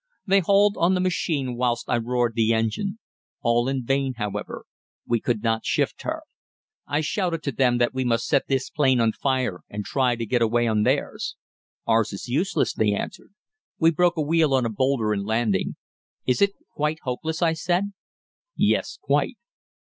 They hauled on the machine whilst I roared the engine. All in vain, however; we could not shift her. I shouted to them that we must set this plane on fire and try to get away on theirs. "Ours is useless," they answered. "We broke a wheel on a boulder in landing." "Is it quite hopeless?" I said. "Yes, quite."